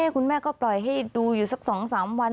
คุณแม่ก็ปล่อยให้ดูอยู่สัก๒๓วัน